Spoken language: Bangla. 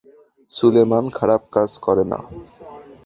সুলেমান খারাপ কাজ করে না।